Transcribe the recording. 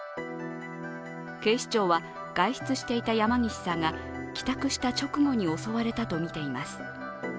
警視庁は外出していた山岸さんが帰宅した直後に襲われたとみています。